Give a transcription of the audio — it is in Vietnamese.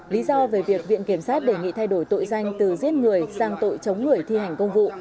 lý do về việc viện kiểm sát đề nghị thay đổi tội danh từ giết người sang tội chống người thi hành công vụ